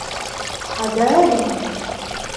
حذاري!